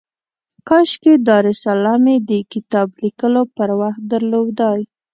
کاشکي دا رساله مې د کتاب لیکلو پر وخت درلودای.